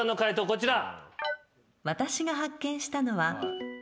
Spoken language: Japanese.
こちら。